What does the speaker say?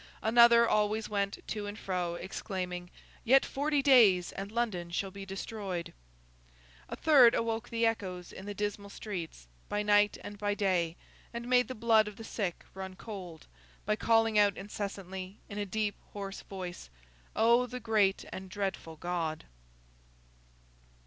Another always went to and fro, exclaiming, 'Yet forty days, and London shall be destroyed!' A third awoke the echoes in the dismal streets, by night and by day, and made the blood of the sick run cold, by calling out incessantly, in a deep hoarse voice, 'O, the great and dreadful God!